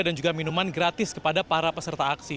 dan juga minuman gratis kepada para peserta aksi